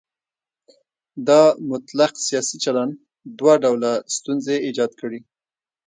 دا مطلق سیاسي چلن دوه ډوله ستونزې ایجاد کړي.